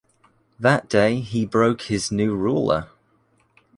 That day he broke his new ruler.